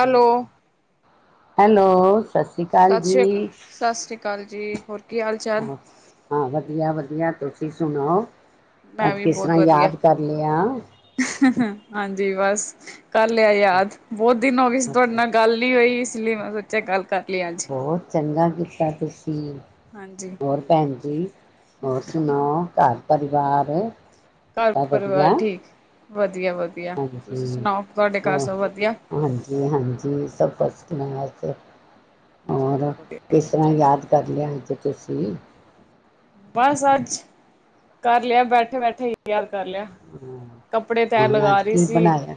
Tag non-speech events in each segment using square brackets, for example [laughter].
ਹ ਹ ਹੈਲੋ ਸ਼੍ਰੀ ਅਕਾਲ ਸਤਿ ਸ੍ਰੀ ਅਕਾਲ ਜੀ ਸਤਿ ਸ੍ਰੀ ਅਕਾਲ ਜੀ ਹੋਰ ਕੀ ਹਾਲ ਚਾਲ ਕਿ ਤੁਸੀਂ ਸੁਣਾਓ ਮੈਂ ਅੱਜ ਵੀ ਕਿਸ ਬਹੁਤ ਤਰ੍ਹਾਂ ਵਧੀਆ ਯਾਦ ਕਰ ਲਿਆ ਹਾਂਜੀ ਬਸ ਕਰ ਲਿਆ ਯਾਦ ਬਹੁਤ ਦਿਨ ਹੋ ਗਏ ਸੀ ਤੁਹਾਡੇ ਅੱਛਾ ਨਾਲ ਗੱਲ ਨੀ ਹੋਈ ਇਸ ਲਈ ਮੈਂ ਸੋਚਿਆ ਗੱਲ ਕਰ ਲਿਆ ਅੱਜ ਬਹੁਤ ਚੰਗਾ ਕੀਤਾ ਤੁਸੀ ਹਾਂਜੀ ਹੋਰ ਭੈਣ ਜੀ ਹੋਰ ਸੁਣਾਓ ਘਰ ਪਰਿਵਾਰ ਘਰ ਸਭ ਵਧੀਆ ਪਰਿਵਾਰ ਠੀਕ ਵਧੀਆ ਵਧੀਆ ਤੁਸੀਂ ਹਾਂਜੀ ਸੁਣਾਓ ਤੁਹਾਡੇ ਘਰ ਹੋ ਸਭ ਵਧੀਆ ਹਾਂਜੀ ਹਾਂਜੀ ਸਭ ਬ [inaudible] ਹੋਰ ਚਲੋ ਵਧੀਆ ਕਿਸ ਤਰ੍ਹਾਂ ਚਾਹੀਦਾ ਯਾਦ ਕਰ ਲਿਆ ਅਜ ਤੁਸੀਂ ਬਸ ਅੱਜ ਕਰ ਲਿਆ ਬੈਠੇ ਬੈਠੇ ਯਾਦ ਕਰ ਲਿਆ ਕੱਪੜੇ ਤੈਅ ਹੁਣ ਲਗਾ ਅੱਜ ਰਹੀ ਕੀ ਸੀ ਬਣਾਇਆ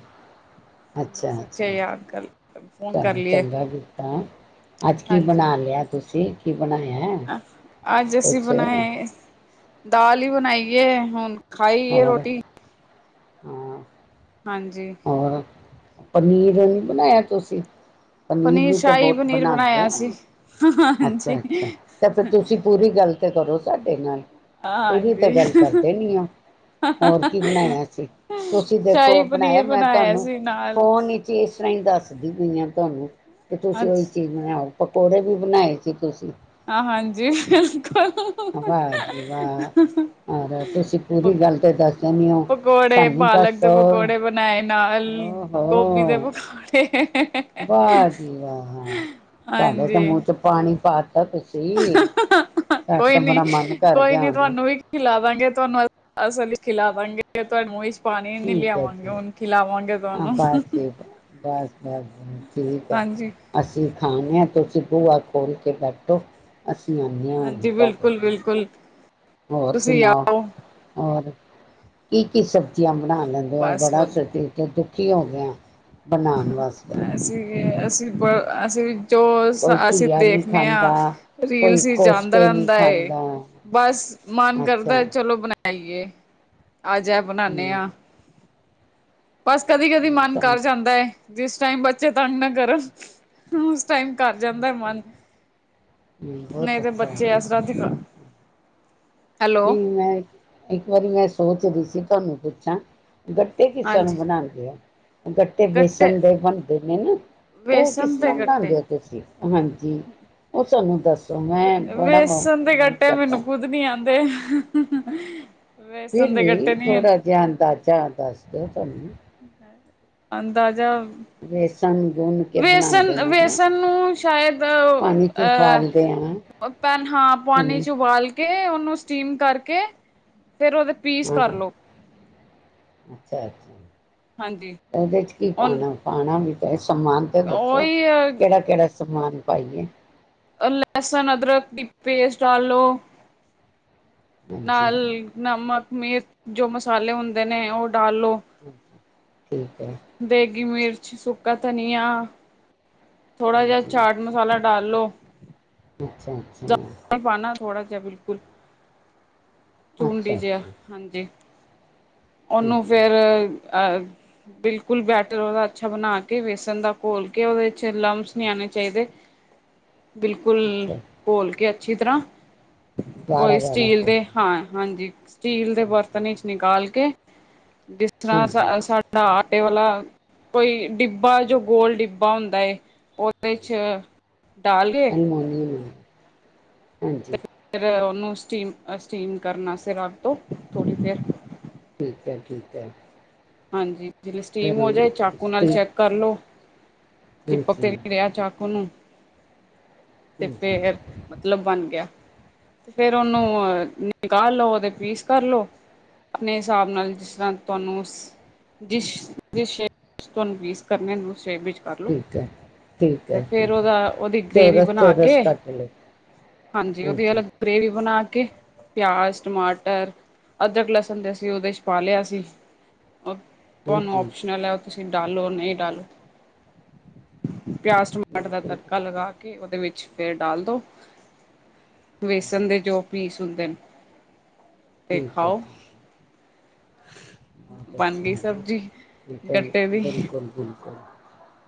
ਮੈਂ ਅੱਛਾ ਅੱਛਾ ਸੋਚਿਆ ਯਾਦ ਕਰ ਫੋਨ ਕਰ ਚਲੋ ਲਈਏ ਚੰਗਾ ਕੀਤਾ ਅੱਜ ਕੀ ਹਾਂਜੀ ਬਣਾ ਲਿਆ ਤੁਸੀਂ ਕੀ ਬਣਾਇਆ ਅੱਜ ਅਸੀਂ ਕੁਛ ਬਣਾਏ ਦਾਲ ਹੀ ਬਣਾਈ ਏ ਹੁਣ ਖਾਈ ਇਹ ਰੋਟੀ ਹਮ [inaudible] ਹਾਂਜੀ। ਪਨੀਰ ਨੀ ਬਨਾਇਆ ਤੁਸੀਂ? ਪਨੀਰ ਵੀ ਤੇ ਸ਼ਾਹੀ ਬਹੁਤ ਪਨੀਰ ਬਨਾੰਦੇ ਬਣਾਇਆ ਆ, ਸੀ ਹਾਂਜੀ ਅੱਛਾ- ਅੱਛਾ ਤੇ ਫਿਰ ਤੁਸੀਂ ਪੂਰੀ ਗੱਲ ਕਰੋ ਸਾਡੇ ਨਾਲ। ਪੂਰੀ ਤਾਂ ਹਾਂਜੀ ਗੱਲ ਕਰਦੇ ਨੀ ਆ, ਹੋਰ ਕੀ ਬਣਾਇਆ ਸੀ, ਤੁਸੀਂ ਸ਼ਾਹੀ ਦੋਖੋ ਬਣਾਇਆ ਪਨੀਰ ਮੈਂ ਤੁਹਾਨੂੰ? ਸੀ ਨਾਲ ਫੋਨ ਵਿਚ ਇਸ ਤਰ੍ਹਾਂ ਹੀ ਦੱਸ ਦੀ ਪਈਆਂ ਤੁਹਾਨੂੰ [inaudible] ਤੇ ਤੁਸੀਂ ਅੱਜ ਉਹੀ ਚੀਜ਼ ਬਣਾਓ। ਪਕੌੜੇ ਵੀ ਬਣਾਏ ਸੀ, ਤੁਸੀਂ। ਆਹ ਹਾਂਜੀ। ਬਿਲਕੁਲ ਵਾਹ ਜੀ ਵਾਹ ਹੋਰ ਤੁਸੀਂ ਪੂਰੀ ਗੱਲ ਤੇ ਦੱਸ ਦਦੇ ਹੋ ਪਕੌੜੇ ਸਾਨੂੰ, ਪਾਲਕ ਦੇ ਦੱਸੋ ਪਕੌੜੇ ਬਣਾਏ ਨਾਲ ਗੋਭੀ ਦੇ ੋ ਪਕੌੜੇ ਵਾਹ ਜੀ ਵਾਹ ਸਾਡੇ ਤੇ ਹਾਂਜੀ ਮੂੰਹ ਚ ਪਾਣੀ ਪਾ ਕ ਤੁਸੀ [inaudible] ਕੋਈ ਨੀ, ਕੋਈ ਨੀ ਤੁਹਾਨੂੰ ਵੀ ਖਿਲਾਵਾਂਗੇ ਤੁਹਾਨੂੰ, ਅਸਲੀ ਖਿਲਾਵਾਂਗੇ ਤੁਹਾਨੂੰ। ਠੀਕ ਹੈ ਜੀ, ਹ ਤੁਹਾਨੂੰ ਬਸ ਠੀਕ, ਬਸ -ਬਸ ਠੀਕ ਹੈ ਹਾਂਜੀ ਅਸੀਂ। ਖਾਣਿਆ, ਤੁਸੀਂ ਬੂਆ ਖੋਲ੍ਹ ਕੇ ਬੈਠੋ। ਅਸੀਂ ਆਉਂਦੇਆਂ ਹੋਈ ਹਾਂਜੀ ਘਟੇ ਬਿਲਕੁਲ ਘ [inaudible] ਬਿਲਕੁਲ ਹੋਰ ਤੁਸੀਂ ਸੁਣਾਓ, ਆਓ ਹੋਰ। ਕੀ -ਕੀ ਸਬਜ਼ੀਆਂ? ਬਣਾ ਲੈਂਦੇ ਹੋ, ਬਸ ਬੜਾ ਸ ਦੁਖੀ ਹੋਦਾ ਹਾਂਾਂ [inaudible] ਬਣਾਉਣ ਵਾਸਤੇ। ਅਸੀਂ ਅਸੀਂ ਅਸੀਂ। ਜੋ ਕੋਈ ਅਸੀਂ ਘੀਆ ਨੀ ਦੇਖਨੇ ਆ, ਖਾਂਦਾ। ਕੋਈ ਰੀਲਸ ਹੀ ਜਾਂਦਾ ਕੋਫਤੇ ਨੀ ਰਹਿੰਦਾ ਖਾਂਦਾ ਬਸ ਮਨ ਅੱਛਾ ਕਰਦਾ ਚਲੋ ਬ ਚਈਏ [inaudible] ਆਜਾ ਬਣਾਨੇ ਹੂੰ। ਆ ਬਸ ਕਦੀ -ਕਦੀ ਮਨ ਕਰ ਜਾਂਦਾ ਐ। ਜਿਸ ਟਾਈਮ ਬੱਚੇ ਤੰਗ ਨਾ ਕਰਨ ਟਾਈਮ ਕਰ ਜਾਂਦੈ ਮਨ, ਨਹੀਂ ਬਹੁਤ ਤਾਂ ਅੱਛਾ ਹੈ ਬੱਚੇ ਜੀ ਇਸ ਤਰਾ ਨਹੀਂ, ਮੈਂ ਇੱਕ ਵਾਰੀ ਮੈਂ ਸੋਚਦੀ ਸੀ। ਤੁਹਾਨੂੰ ਪੁੱਛਾ? ਗੱਟੇ ਕਿਸ ਤਰਾ ਹਾਂਜੀ ਬਣਾਉਂਦੇ ਆ ਗੱਟੇ ਵੇਸਣ ਦੇ ਬਣ ਦ ਨੇ ਨਾ [unintelligible] ਉਹ ਕਿਸ ਵੇਸਣ ਦੇ ਤਰ੍ਹਾ ਗੱਟੇ ਬਣਾਉਂਦੇ ਹੋ ਤੁਸੀਂ ਹਾਂਜੀ ਉਹ ਸਾਨੂੰ ਦੱਸੋ ਮੈਂ ਬੜਾ ਵੇਸਣ ਮਨ ਗੱਟੇ ਕਰਦਾ ਮੈਨੂੰ ਖੁਦ ਨੀ ਦੇ ਫੇਰ ਵੇਸਣ ਦੇ ਗੱਟੇ ਵੀ ਨੀ ਥੋੜਾ ਜਿਹਾ ਆਦਾ ਜਾਂਦਾ [unintelligible] ਪਹਿਲਾ ਸਾਨੂੰ ਵੀ ਅੰਦਾਜ਼ਾ ਬੇਸਣ ਗੁੰਨ ਕੇ ਬਣਾਉਂਦੇ ਵੇਸਣ ਨੇ ਨਾ ਵੇਸਣ ਨੂੰ ਸ਼ਾਇਦ ਪਾਣੀ ਚ ਉਬਾਲਦੇ ਹਾਂ ਅਹ ਹਾ ਪਾਣੀ ਹੁਣੇ ਚ ਉਬਾਲ ਕੇ ਉਹਨੂੰ ਸਟੀਮ ਕਰਕੇ ਫੇਰ ਉਹਦੇ ਪੀਸ ਹਾਂ ਹਾਂ ਕਰਲੋ [inaudible] ਉਹਦੇ ਚ ਕੀ ਔਨ ਪਾਣਾ ਪਾਣਾ ਵੀ [unintelligible] ਅ [unintelligible] ਸਮਾਨ ਤੇ ਦੱਸੋ ਉਹੀ ਕਿਹੜਾ ਕਿਹੜਾ ਸਮਾਨ ਪਾਈਏ ਲਸਣ ਅਦਰਕ ਦੀ ਪੇਸਟ ਡਾਲ ਲੋ ਹਾਂਜੀ ਨਾਲ ਨਮਕ ਮੀਰਚ ਜੋ ਮਸਾਲੇ ਹੁੰਦੇ ਨੇ ਉਹ ਡਾਲ ਲੋ ਹਾਂਜੀ ਠੀਕ ਹੈ ਦੇਗੀ ਮੀਰਚ ਅੱਛਾ ਸੁੱਕਾ ਧਨੀਆ ਥੋੜਾ ਜਿਹਾ ਹਾਂਜੀ ਚਾਟ ਮਸਾਲਾ ਡਾਲ ਲੋ ਅੱਛਾ ਹਮ ਥੋੜ੍ਹਾ ਜਿਹਾ ਬਿਲਕੁਲ ਚੂੰਡੀ ਅੱਛਾ ਜਿਹਾ ਅੱਛਾ ਹਾਂਜੀ ਉਹਨੂੰ ਠੀਕ ਹੈ ਫੇਰ ਬਿਲਕੁਲ ਬੈਟਰ ਉਹਦਾ ਅੱਛਾ ਬਣਾ ਕੇ ਬੇਸਨ ਦਾ ਘੋਲ ਕੇ ਉਹਦੇ ਚ ਲਮਸ ਨਹੀ ਆਉਣੇ ਚਾਹੀਦੇ ਬਿਲਕੁਲ ਅੱਛਾ ਘੋਲ ਕੇ ਅੱਛੀ ਤਰ੍ਹਾਂ ਗਾੜਾ ਕੋਈ ਗਾੜਾ ਸਟੀਲ ਪਾ ਦੇ ਹਾਂ ਹਾਂਜੀ ਸਟੀਲ ਦੇ ਹਾਂਜੀ ਬਰਤਨ ਵਿੱਚ ਨਿਕਾਲ ਕੇ ਜਿਸ ਹਾਂਜੀ ਤਰ੍ਹਾਂ ਸਾਡਾ ਟੇ ਵਾਲਾ ਕੋਈ ਡਿੱਬਾ ਜੋ ਗੋਲ ਡਿੱਬਾ ਹੁੰਦਾ ਉਹਦੇ ਚ ਡਾਲ ਕੇ ਅ ਮੋਨ, ਤੇ ਹਾਂਜੀ, ਫਿਰ ਉਹਨੂੰ ਸਟੀਮ-ਸਟੀਮ ਕਰਨ ਵਾਸ ਰੱਬ ਤੋਂ ਥੋੜ੍ਹੀ ਦੇਰ, ਠੀਕ ਐ ਠੀਕ ਐ। ਹਾਂਜੀ, ਸਟੀਮ ਹੋ ਜਾਏ ਚਾਕੂ ਨਾਲ ਸਟੀਲ ਚੈੱਕ ਕਰ ਲੋ ਚਿਪਕ ਤੇ ਹਾਂਜੀ ਨੀ ਰਿਹਾ ਚਾਕੂ ਨੂੰ ਤੇ ਹਾਂਜੀ ਫੇਰ ਮਤਲਬ ਬਣ ਗਿਆ। ਤੇ ਫੇਰ ਉਹਨੂੰ ਨਿਕਾਲ ਲੋਦੇ ਪੀਸ ਕਰ ਲੋ ਆਪਣੇ ਹਿਸਾਬ ਨਾਲ ਜਿਸ ਤਰ੍ਹਾਂ ਤੁਹਾਨੂੰ ਜਿਸ ਜ ਤੋਂ ਨਵੀਸ ਕਰਨੇ ਨੂੰ ਸ਼ੇਪ ਵਿੱਚ ਕਰਲੋ ਠੀਕ ਹੈ ਠੀਕ ਤੇ ਹੈ ਫੇਰ ਠੀਕ ਹੈ ਉਹਦਾ ਉਹਦੀ ਗ੍ਰੇਵੀ ਚੌਰਸ ਬਣਾ ਚੌਰਸ ਕੇ ਕੱਟ ਲਏ ਹਾਂਜੀ ਉਹਦੀ ਅਲ ਗ੍ਰੇਵੀ ਬਣਾ ਕੇ, ਪਿਆਜ ਟਮਾਟਰ ਅਦਰਕ ਲਸਣ ਤੇ ਅਸੀਂ ਉਹਦੇ ਚ ਪਾ ਲਿਆ ਸੀ। ਤੁਹਾਨੂੰ ਹਾਂਜੀ ਔਪਸ਼ਨਲ ਔ ਤੁਸੀ ਤੁਸੀਂ ਡਾਲੋ ਨਹੀਂ ਡਾਲੋ ਪਿਆਜ ਟਮਾਟਰ ਦਾ ਬਿਲਕੁਲ ਤੜਕਾ ਠੀਕ ਲਗਾ ਕੇ ਉਹਦੇ ਵਿੱਚ ਕੁਛ ਫੇਰ ਡਾਲ ਦੋ, ਹੈ ਵੇਸਨ ਦੇ ਜੋ ਪੀਸ ਹੁੰਦੇ ਨੇ, ਤੇ ਠੀਕ ਹੈ ਖਾਓ। ਠੀਕ ਆ। ਬਤ ਬਣ ਗਈ ਅੱਛਾ ਜੀ ਸਬਜ਼ੀ ਗੱਟੇ ਦੀ ਬਿਲਕੁਲ-ਬਿਲਕੁਲ,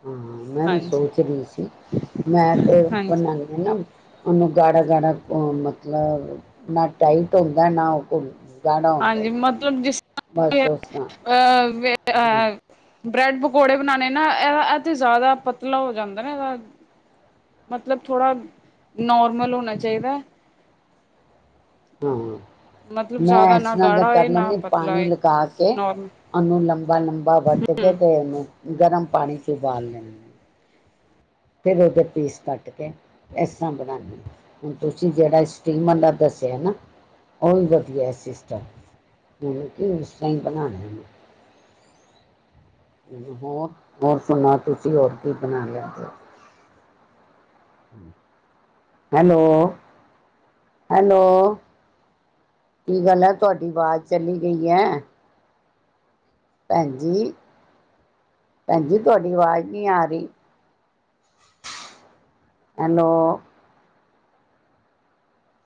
ਹਾਂ ਮੈਂ ਵੀ ਹਾਂਜੀ ਸੋਚ ਰਹੀ ਸੀ ਮੈਂ ਤੇ ਹਾਂਜੀ ਬਨਾਂ ਨਾ, ਉਹਨੂੰ ਗਾੜਾ, ਗਾੜਾ ਮਤਲਬ ਨਾ ਟਾਈਟ ਹੁੰਦਾ ਨਾ ਉਹ ਕੋ ਹਾਂਜੀ ਮਤਲਬ ਜਿਸ, ਬਸ ਬਸ ਸੁਣਾ, ਅਹ, ਬ੍ਰੈੱਡ ਪਕੌੜੇ ਬਣਾਣੇ ਨਾ ਇਹਦਾ ਇਹ ਤੇ ਜ਼ਿਆਦਾ ਪਤਲਾ ਹੋ ਜਾਂਦਾ ਨਾ ਇਹਦਾ ਮਤਲਬ ਥੋੜਾ ਨਾਰਮਲ ਹੋਣਾ ਚਾਹੀਦਾ। ਹੂੰ-ਹੂੰ, ਮਤਲਬ ਮੈਂ ਜ਼ਿਆਦਾ ਇਸ ਨਾ ਤਰ੍ਹਾਂ ਤਾਂ ਗਾੜਾ ਕਰ ਹੋਏ ਨਾ ਲੈਂਦੀ ਪਤਲਾ ਪਾਣੀ ਹੋਏ ਲਗਾ ਕੇ ਨੋਰਮਲ ਉਹਨੂੰ ਲੰਬਾ-ਲੰਬਾ ਵੱਟ ਕੇ ਤੇ ਉਹਨੂੰ, ਗਰਮ ਪਾਣੀ ਚ ਉਬਾਲ ਲੈਂ ਫਿਰ ਉਹਦੇ ਪੀਸ ਕੱਟ ਕੇ ਇਸ ਤਰ੍ਹਾਂ ਬਣਾਦੇ ਹੁਣ ਤੁਸੀਂ ਜਿਹੜਾ ਸਟੀਮਰ ਦਾ ਦੱਸਿਆ ਨਾ ਉਹ ਵੀ ਵਧੀਆ ਸਿਸਟਮ ਮੈਨੂੰ ਕਿ ਉਸ ਤਰ ਹੀ ਬਣਾਣਾ। ਹੋਰ-ਹੋਰ ਸੁਣਾ ਤੁਸੀਂ ਹੋਰ ਕੀ ਬਣਾ ਲਿਆ, ਹੈਲੋ-ਹੈਲੋ ਕੀ ਗੱਲ ਹੈ ਤੁਹਾਡੀ ਆਵਾਜ਼ ਚਲੀ ਗਈ ਐ। ਭੈਣ ਜੀ ਭੈਣ ਜੀ ਤੁਹਾਡੀ ਅਵਾਜ਼ ਨੀ ਆ ਰਹੀ ਹੈਲੋ,